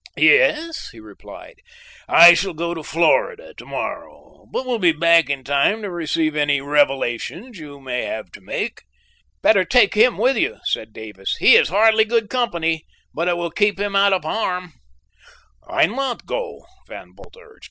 "Yes," he replied, "I shall go to Florida, to morrow, but will be back in time to receive any revelations you may have to make." "Better take him with you," said Davis. "He is hardly good company, but it will keep him out of harm." "Why not go?" Van Bult urged.